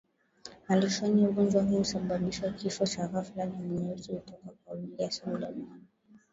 malishoni Ugonjwa huu husababisha kifo cha ghafla Damu nyeusi hutoka kwa wingi hasa mdomoni